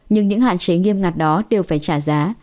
nhưng những hạn chế nghiêm ngặt đó đều phải trả giá